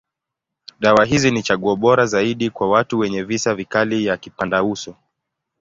Dawa hizi ni chaguo bora zaidi kwa watu wenye visa vikali ya kipandauso.